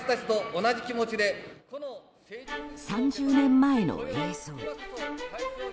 ３０年前の映像。